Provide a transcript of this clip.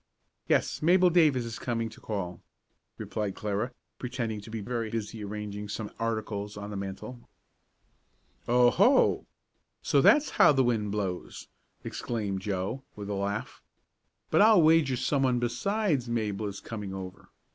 "Yes, Mabel Davis is coming to call," replied Clara, pretending to be very busy arranging some articles on the mantle. "Oh, ho! So that's how the wind blows!" exclaimed Joe, with a laugh. "But I'll wager someone besides Mabel is coming over.